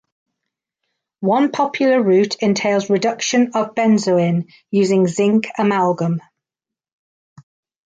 One popular route entails reduction of benzoin using zinc amalgam.